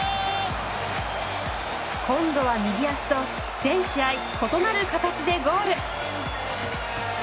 今度は右足と全試合異なる形でゴール。